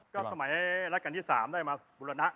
ก็สมัยรัชกาลที่๓ได้มาบุรณะ